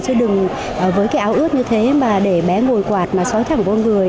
chứ đừng với cái áo ướt như thế mà để bé ngồi quạt mà xói thẳng con người